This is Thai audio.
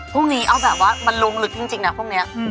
พวกนี้เอาแบบว่ามันลงลึกจริงนะพรุ่งนี้